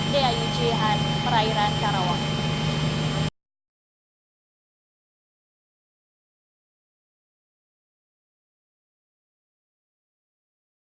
diyu chihan perairan karawang